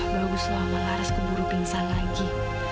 baguslah oma laras keburu pingsan lagi